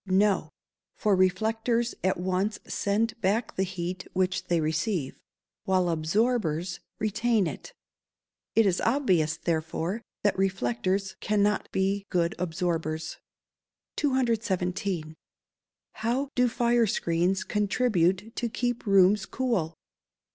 _ No; for reflectors at once send back the heat which they receive, while absorbers retain it. It is obvious, therefore, that reflectors cannot be good absorbers. 217. _How do fire screens contribute to keep rooms cool?